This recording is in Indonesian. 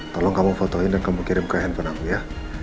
tolong kamu fotoin dan kamu kirim ke handphone aku ya